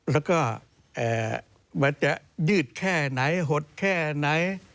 แล้วก็ว่าจะยืดแค่ไหนหดแค่ไหน